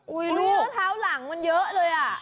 อุ๊ยนี่ก็ท้าวหลังมันเยอะเลยอะ